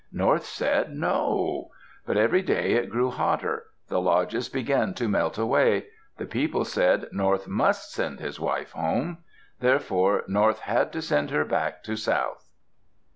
North said, "No." But every day it grew hotter. The lodges began to melt away. The people said North must send his wife home. Therefore North had to send her back to South.